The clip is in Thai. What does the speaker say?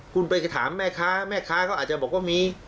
คุณไปถามแม่ค้าแม่ค้าเขาอาจจะบอกว่ามี